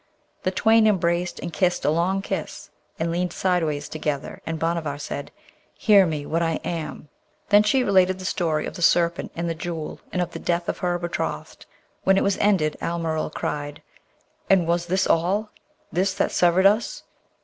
The twain embraced and kissed a long kiss, and leaned sideways together, and Bhanavar said, 'Hear me, what I am.' Then she related the story of the Serpent and the Jewel, and of the death of her betrothed. When it was ended, Almeryl cried, 'And was this all? this that severed us?'